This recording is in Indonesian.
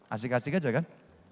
asik asik aja kan